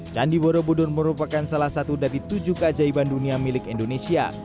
candi borobudur merupakan salah satu dari tujuh keajaiban dunia milik indonesia